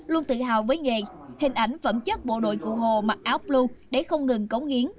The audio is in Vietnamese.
luôn tự hào với nghề hình ảnh phẩm chất bộ đội cụ hồ mặc áo blue để không ngừng cống hiến